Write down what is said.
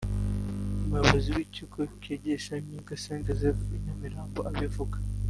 umuyobozi w’ikigo kigisha imyuga st Joseph i Nyamirambo abivuga